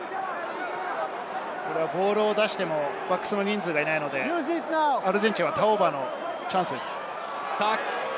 ボールを出してもバックスの人数がいないので、アルゼンチンはターンオーバーのチャンスです。